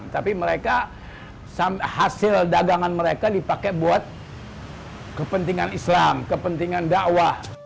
tapi mereka hasil dagangan mereka dipakai buat kepentingan islam kepentingan dakwah